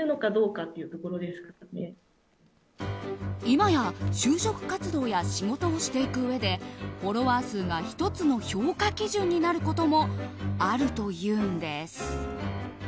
今や就職活動や仕事をしていくうえでフォロワー数が１つの評価基準になることもあるというんです。